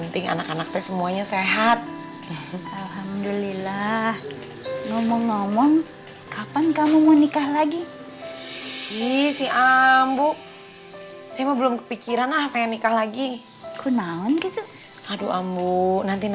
takut ditungguin sama nini dari tadi